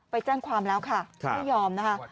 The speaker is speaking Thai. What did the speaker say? ไปแจ้งความแล้วค่ะไม่ยอมนะคะ